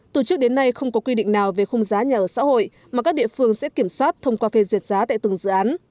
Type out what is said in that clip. từ trước đến nay không có quy định nào về khung giá nhà ở xã hội mà các địa phương sẽ kiểm soát thông qua phê duyệt giá tại từng dự án